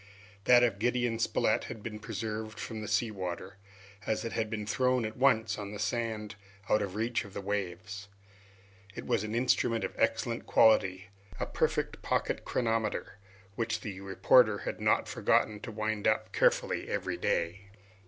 That of Gideon Spilett had been preserved from the sea water, as he had been thrown at once on the sand out of reach of the waves. It was an instrument of excellent quality, a perfect pocket chronometer, which the reporter had not forgotten to wind up carefully every day.